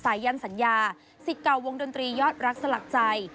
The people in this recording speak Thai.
ยันสัญญาสิทธิ์เก่าวงดนตรียอดรักสลักใจ